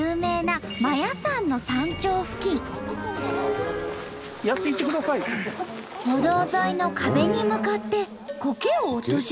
歩道沿いの壁に向かってコケを落とし始めたよ。